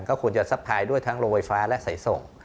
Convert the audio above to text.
ก็ควรจะทรัพย์ด้วยทั้งโรยฟ้าและสายส่ง